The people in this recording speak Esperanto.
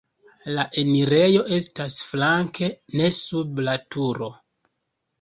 La enirejo estas flanke, ne sub la turo.